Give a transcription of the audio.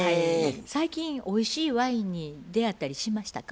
最近おいしいワインに出会ったりしましたか？